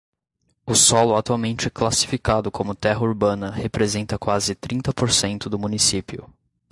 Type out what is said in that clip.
O solo atualmente classificado como terra urbana representa quase trinta por cento do município.